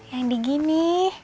yang di gini